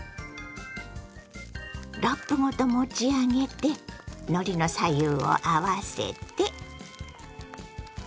ラップごと持ち上げてのりの左右を合わせて。